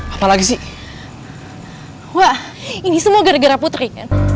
apalagi sih wah ini semua gara gara putri